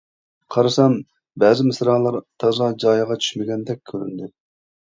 قارىسام بەزى مىسرالار تازا جايىغا چۈشمىگەندەك كۆرۈندى.